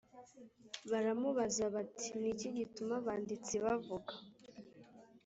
baramubaza bati ni iki gituma abanditsi bavuga